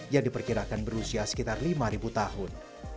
yang diperkirakan berusia sekitar lima tahun